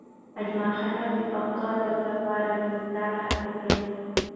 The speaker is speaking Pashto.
اجمل خټک د پښتو ادب لپاره بې مثاله هڅې کړي.